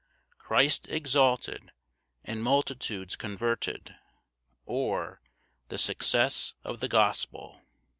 Christ exalted, and multitudes converted; or, The success of the gospel.